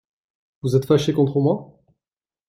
Vous êtes fâché contre moi ?